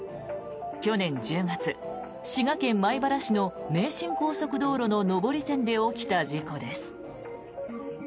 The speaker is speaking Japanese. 去年１０月、滋賀県米原市の名神高速道路の上り線で起きた事故です。